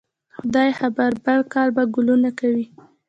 خدای خبر؟ بل کال به ګلونه کوي